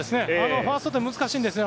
ファーストは難しいんですね。